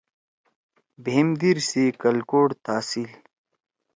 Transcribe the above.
بھیم دیر سی کلکوٹ تحصیل